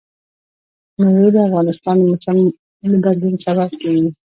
مېوې د افغانستان د موسم د بدلون سبب کېږي.